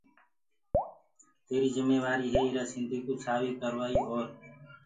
تيريٚ جميوآريٚ هي ايرآ سنڌيئو سآويٚ ڪروآئيٚ اور